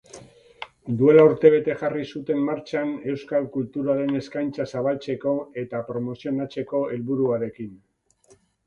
Duela urtebete jarri zuten martxan euskal kulturaren eskaintza zabaltzeko eta promozionatzeko helburuarekin.